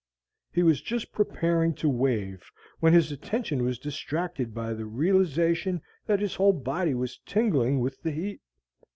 He was just preparing to wave when his attention was distracted by the realization that his whole body was tingling with the heat.